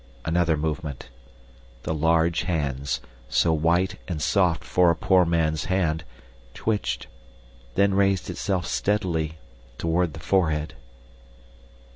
Another movement. The large hands, so white and soft for a poor man's hand, twitched, then raised itself steadily toward the forehead.